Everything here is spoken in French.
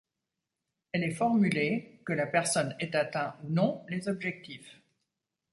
Elle est formulée, que la personne ait atteint ou non les objectifs.